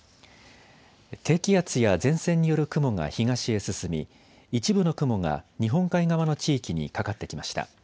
低気圧や前線による雲が東へ進み一部の雲が日本海側の地域にかかってきました。